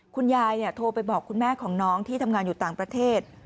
คุณยายโทรไปบอกคุณแม่ของน้องที่ทำงานอยู่ต่างประเทศ